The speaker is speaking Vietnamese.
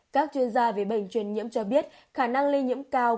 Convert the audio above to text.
các chuyên gia về bệnh truyền nhiễm cho biết khả năng lây nhiễm cao